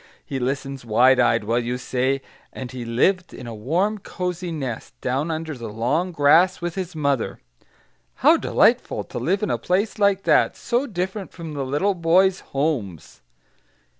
He listens wide eyed, while you say, "and he lived in a warm, cosy nest, down under the long grass with his mother" how delightful, to live in a place like that; so different from little boys' homes!